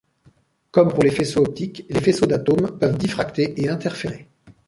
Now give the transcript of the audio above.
Comme pour les faisceaux optiques, les faisceaux d'atomes peuvent diffracter et interférer.